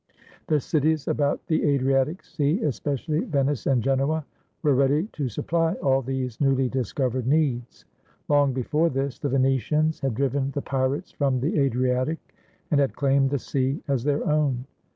The cities about the Adri atic sea, especially Venice and Genoa, were ready to sup ply all these newly discovered needs. Long before this, the Venetians had driven the pirates from the Adriatic and had claimed the sea as their own.